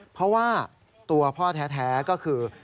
เพราะว่าตัวพ่อแท้ก็คือ